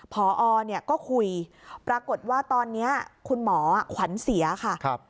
พอก็คุยปรากฏว่าตอนนี้คุณหมอขวัญเสียค่ะ